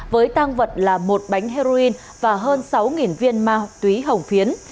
với tang vật là một bánh heroin và hơn sáu viên ma túy hồng phiến